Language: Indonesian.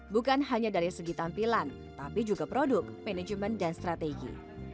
bukan hanya dari segi tampilan tapi juga produk manajemen dan strategi